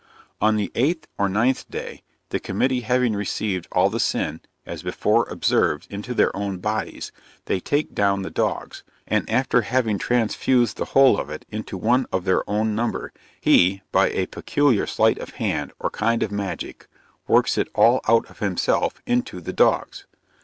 On the eighth or ninth day, the committee having received all the sin, as before observed, into their own bodies, they take down the dogs, and after having transfused the whole of it into one of their own number, he, by a peculiar slight of hand, or kind of magic, works it all out of himself into the dogs.